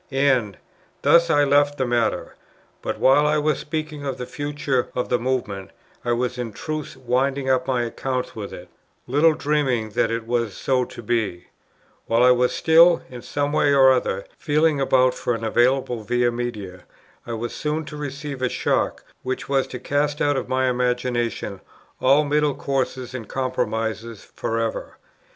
And thus I left the matter. But, while I was thus speaking of the future of the Movement, I was in truth winding up my accounts with it, little dreaming that it was so to be; while I was still, in some way or other, feeling about for an available Via Media, I was soon to receive a shock which was to cast out of my imagination all middle courses and compromises for ever.